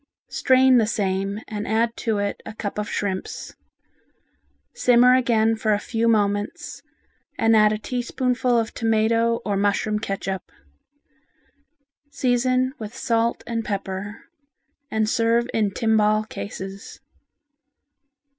Strain the same and add to it a cup of shrimps. Simmer again for a few moments and add a teaspoonful of tomato or mushroom catsup. Season with, salt and pepper, and serve in timbale cases.